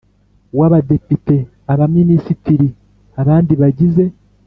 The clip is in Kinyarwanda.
w Abadepite Abaminisitiri abandi bagize